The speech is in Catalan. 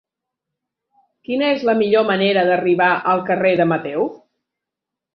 Quina és la millor manera d'arribar al carrer de Mateu?